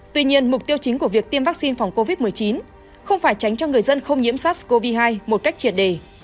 tuy nhiên mục tiêu chính của việc tiêm vaccine phòng covid một mươi chín không phải tránh cho người dân không nhiễm sars cov hai một cách triệt đề